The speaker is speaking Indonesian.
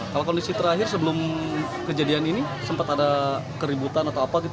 kalau kondisi terakhir sebelum kejadian ini sempat ada keributan atau apa gitu